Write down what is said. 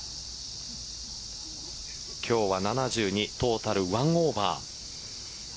今日は７２トータル１オーバー。